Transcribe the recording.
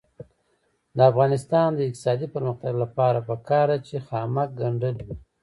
د افغانستان د اقتصادي پرمختګ لپاره پکار ده چې خامک ګنډل وي.